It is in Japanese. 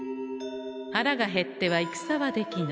腹が減っては戦はできぬ。